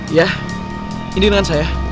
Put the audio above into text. iya ini dengan saya